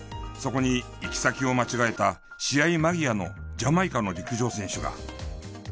そこに行き先を間違えた試合間際のジャマイカの陸上選手が。